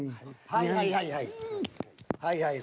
はいはいはいはい。